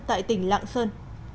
tại tỉnh lạng sơn